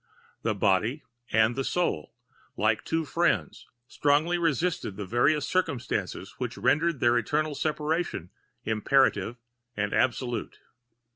The body and the soul, like two friends, strongly resisted the various circumstances which rendered their eternal separation imperative and absolute.